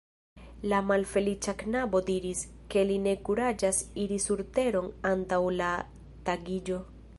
La malfeliĉa knabo diris, ke li ne kuraĝas iri surteron antaŭ la tagiĝo.